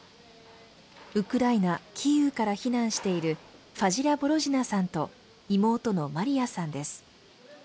ウクライナ・キーウから避難しているファジリャ・ボロジナさんと妹のマリアさんです。